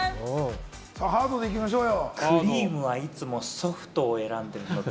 ハードでいきましょうよ。